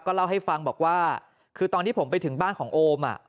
เล่าให้ฟังบอกว่าคือตอนที่ผมไปถึงบ้านของโอม